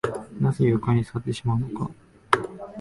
なぜ床に座ってしまうのか